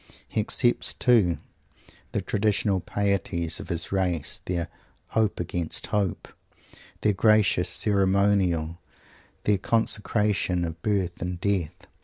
He accepts, too, the traditional pieties of his race, their "hope against hope," their gracious ceremonial, their consecration of birth and death.